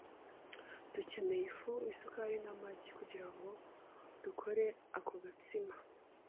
Dukeneye ifu, isukari n'amagi kugirango dukore ako gatsima .